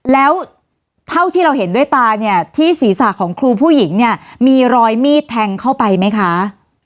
แล้วเท่าที่เราเห็นด้วยตาเนี่ยที่ศีรษะของครูผู้หญิงเนี่ยมีรอยมีดแทงเข้าไปไหมคะ